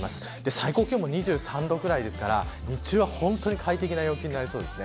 最高気温も２３度ぐらいですから日中は本当に快適な陽気になりそうです。